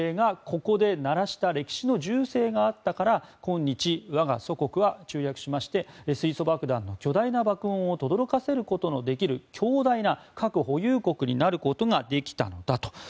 ここで鳴らした歴史の銃声があったから今日、我が祖国は中略しまして水素爆弾の巨大な爆音をとどろかせることのできる強大な核保有国になることができたのだと。